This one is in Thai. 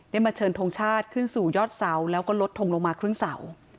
มาเชิญทงชาติขึ้นสู่ยอดเสาแล้วก็ลดทงลงมาครึ่งเสา